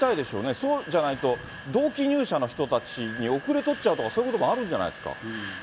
そうじゃないと、同期入社の人たちに後れ取っちゃうとか、そういうこともあるんじゃないですか。